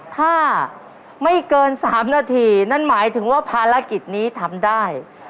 ถ้าไม่เกิน๓นาทีนั่นหมายถึงว่าภารกิจนี้ทำได้